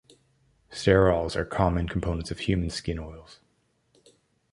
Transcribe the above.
Sterols are common components of human skin oils.